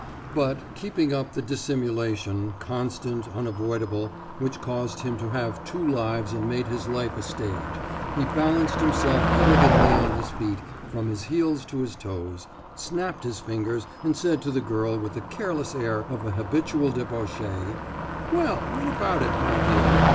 But, keeping up the dissimulation, constant, unavoidable, which caused him to have two lives and made his life a stage, he balanced himself elegantly on his feet from his heels to his toes, snapped his fingers, and said to the girl with the careless air of a habitual debauchee: »Well, what about it, my dear?